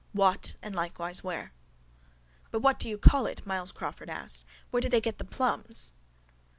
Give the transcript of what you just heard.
WHAT?—AND LIKEWISE—WHERE? —But what do you call it? Myles Crawford asked. Where did they get the plums?